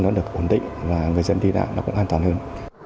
nó được ổn định và người dân đi lại nó cũng an toàn hơn